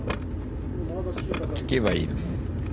聞けばいいのに。